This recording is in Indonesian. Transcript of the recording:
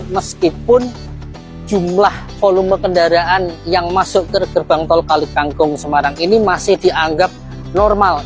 meskipun jumlah volume kendaraan yang masuk ke gerbang tol kalikangkung semarang ini masih dianggap normal